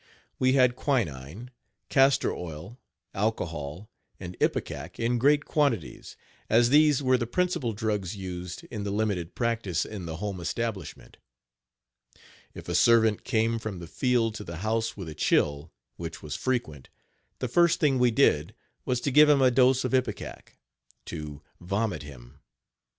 We had quinine, castor oil, alcohol and ipecac in great quantities, as these were the principal drugs used in the limited practice in the home establishment. If a servant came from the field to the house with a chill, which was frequent, the first thing we did was to give him a dose of ipecac to Page 68 vomit him.